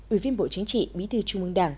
ủy viên bộ chính trị bí thư trung ương đảng